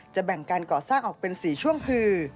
แบ่งการก่อสร้างออกเป็น๔ช่วงคือ